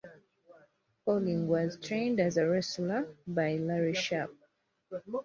Poling was trained as a wrestler by Larry Sharpe.